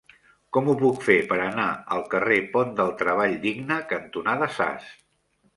Com ho puc fer per anar al carrer Pont del Treball Digne cantonada Sas?